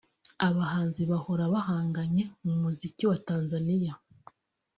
Abahanzi bahora bahanganye mu muziki wa Tanzania